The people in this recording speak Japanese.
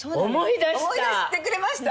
あっ思い出してくれました？